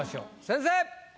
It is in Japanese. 先生！